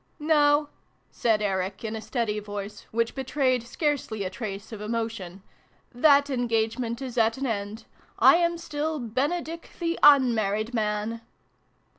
" No," said Eric, in a steady voice, which betrayed scarcely a trace of emotion : "//^en gagement is at an end. I am still ' Benedick the //Tzmarried man.'